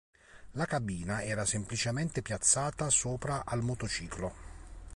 La cabina era semplicemente piazzata sopra al motociclo.